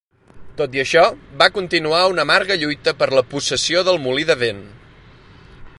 Tot i això, va continuar una amarga lluita per la possessió del molí de vent.